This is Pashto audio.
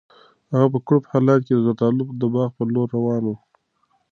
هغه په کړوپ حالت کې د زردالو د باغ په لور روان و.